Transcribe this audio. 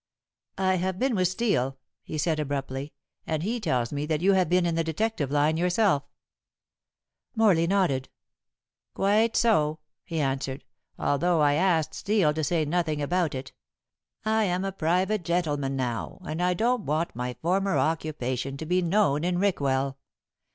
"I have been with Steel," he said abruptly, "and he tells me that you have been in the detective line yourself." Morley nodded. "Quite so," he answered, "although I asked Steel to say nothing about it. I am a private gentleman now, and I don't want my former occupation to be known in Rickwell.